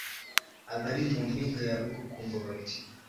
abari mu mpinga ya Rukukumbo bati